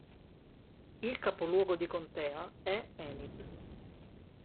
Il capoluogo di contea è Enid.